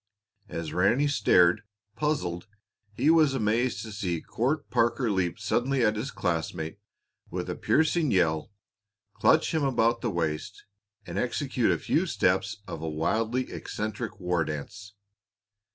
As Ranny stared, puzzled, he was amazed to see Court Parker leap suddenly at his classmate with a piercing yell, clutch him about the waist, and execute a few steps of a wildly eccentric war dance.